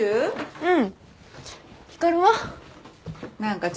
うん。